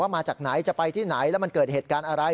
มาจากไหนจะไปที่ไหนแล้วมันเกิดเหตุการณ์อะไร